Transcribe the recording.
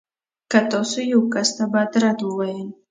که تاسو يو کس ته بد رد وویل.